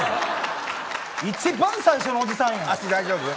一番最初のおじさんやん。